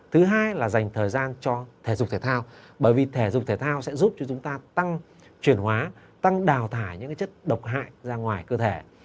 thứ hai là dành thời gian cho thể dục thể thao bởi vì thể dục thể thao sẽ giúp cho chúng ta tăng chuyển hóa tăng đào thải những chất độc hại ra ngoài cơ thể